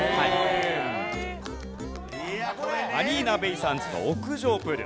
マリーナベイ・サンズの屋上プール。